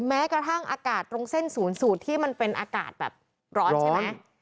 แม้กระทั่งอากาศตรงเส้นศูนย์สูตรที่มันเป็นอากาศแบบร้อนใช่ไหม